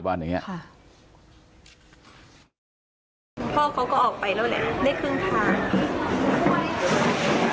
พ่อเขาก็ออกไปแล้วแหละ